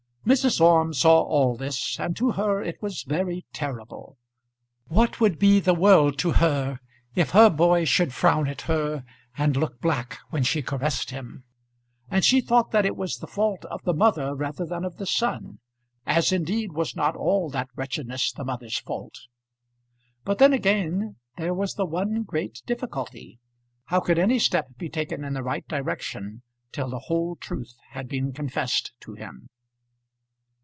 Mrs. Orme saw all this, and to her it was very terrible. What would be the world to her, if her boy should frown at her, and look black when she caressed him? And she thought that it was the fault of the mother rather than of the son; as indeed was not all that wretchedness the mother's fault? But then again, there was the one great difficulty. How could any step be taken in the right direction till the whole truth had been confessed to him?